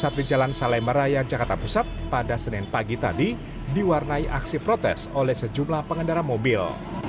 saat di jalan salai meraya jakarta pusat pada senin pagi tadi diwarnai aksi protes oleh sejumlah pengendara mobil